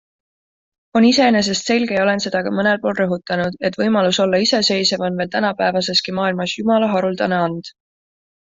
On iseenesest selge ja olen seda ka mõnel pool rõhutanud, et võimalus olla iseseisev on veel tänapäevaseski maailmas Jumala haruldane and.